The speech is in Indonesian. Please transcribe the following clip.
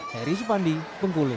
heri supandi bengkulu